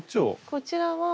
こちらは。